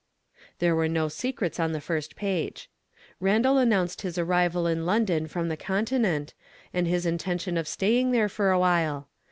There were no secrets on the first page. Randal announced his arrival in London from the Continent, and his intention of staying there for a while.